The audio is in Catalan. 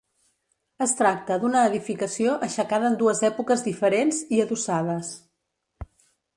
Es tracta d'una edificació aixecada en dues èpoques diferents i adossades.